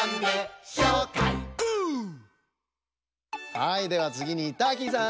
はいではつぎにターキーさん！